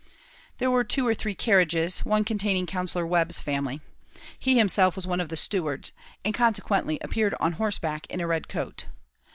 There were two or three carriages; one containing Counsellor Webb's family. He himself was one of the stewards, and, consequently appeared on horseback in a red coat.